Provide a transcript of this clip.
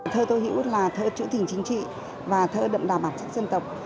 thơ tối hữu là thơ trữ tình chính trị và thơ đậm đà bản chất dân tộc